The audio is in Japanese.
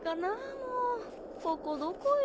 もうここどこよ。